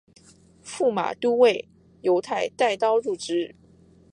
驸马都尉游泰带刀入直。